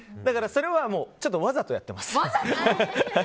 それはわざとやってます。